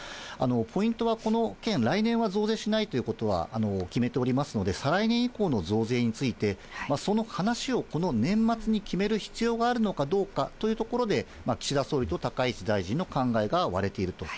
ポイントはこの件、来年は増税しないということは決めておりますので、再来年以降の増税について、その話をこの年末に決める必要があるのかどうかというところで、岸田総理と高市大臣の考えが割れていると。